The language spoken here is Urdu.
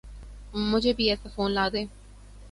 مجھے بھی ایسا فون لا دیں